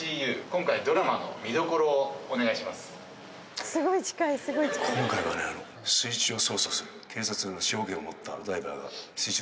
今回ドラマの見どころをお願いします